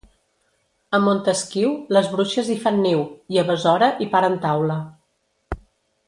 A Montesquiu, les bruixes hi fan niu, i a Besora hi paren taula.